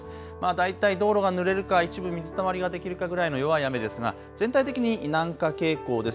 大体、道路がぬれるか一部水たまりができるかぐらいの弱い雨ですが全体的に南下傾向です。